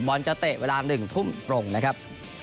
บอลจะเตะเวลา๑ทุ่มตรงนะครับ